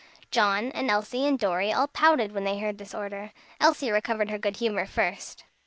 John, and Elsie, and Dorry, all pouted when they heard this order. Elsie recovered her good humor first.